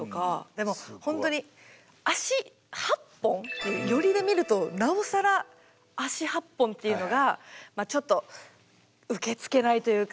でも本当に脚８本寄りで見るとなおさら脚８本っていうのがまあちょっと受け付けないというか。